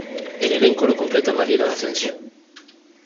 El elenco lo completa Mariela Asensio.